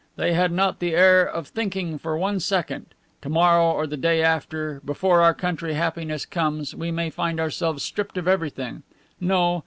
They had not the air of thinking for one second: to morrow or the day after, before our country happiness comes, we may find ourselves stripped of everything. No!